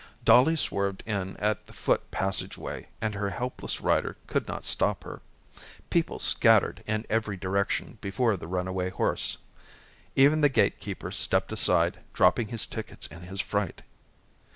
Dollie swerved in at the foot passageway and her helpless rider could not stop her. People scattered in every direction before the runaway horse. Even the gate keeper stepped aside, dropping his tickets in his fright.